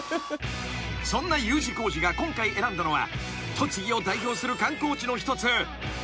［そんなＵ字工事が今回選んだのは栃木を代表する観光地の一つ那須］